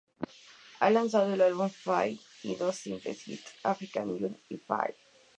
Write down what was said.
Han lanzado un álbum, "Fire", y dos simples hit, "Africa Unite" y "Fire".